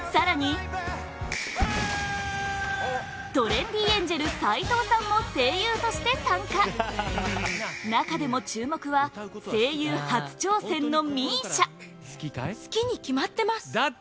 更にトレンディエンジェル斎藤さんも声優として参加中でも注目は声優初挑戦のＭＩＳＩＡ